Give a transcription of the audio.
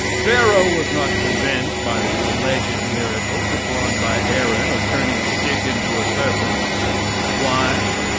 ] Pharaoh was not convinced by the alleged miracle performed by Aaron, of turning a stick into a serpent. Why?